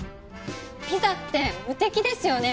ピザって無敵ですよね。